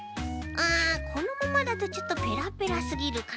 このままだとちょっとぺらぺらすぎるかな。